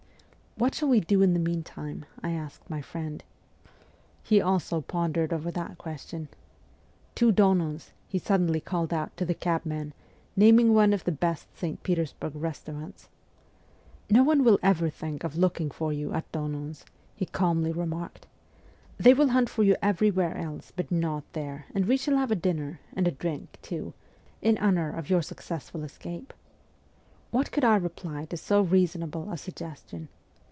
' What shall we do in the meantime ?' I asked my friend. He also pondered over that question. ' To Donon's !' he suddenly called out to the cabman, naming one of the best St. Petersburg restaurants. ' No one will ever think of looking for you at Donon's,' he calmly remarked. ' They will hunt for you everywhere else, but not there ; and we shall have a dinner, and a drink, too, in honour of your successful escape.' What could I reply to so reasonable a suggestion